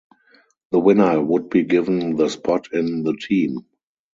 The winner would be given the spot in the team.